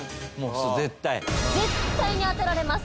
絶対に当てられます。